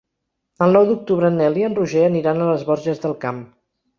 El nou d'octubre en Nel i en Roger aniran a les Borges del Camp.